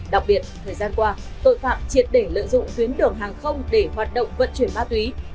đặc biệt thời gian qua tội phạm triệt để lợi dụng tuyến đường hàng không để hoạt động vận chuyển ma túy